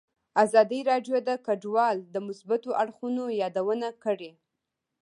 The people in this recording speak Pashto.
ازادي راډیو د کډوال د مثبتو اړخونو یادونه کړې.